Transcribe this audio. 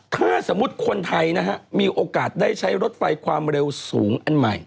ถ้าสมมุติคนไทยนะฮะมีโอกาสได้ใช้รถไฟความเร็วสูงอันใหม่